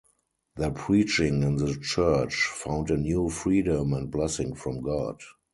Their preaching, and the Church, found a new freedom and blessing from God.